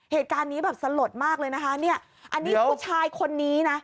เหตุการณ์นี้แบบสลดมากเลยนะคะเนี่ยอันนี้ผู้ชายคนนี้นะ